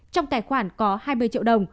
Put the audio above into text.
trong tài khoản có hai mươi triệu đồng